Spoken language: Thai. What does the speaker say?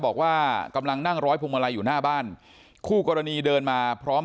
บอกว่ากำลังนั่งร้อยพวงมาลัยอยู่หน้าบ้านคู่กรณีเดินมาพร้อม